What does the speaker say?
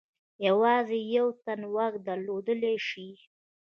یوازې یو تن واک درلودلای شي.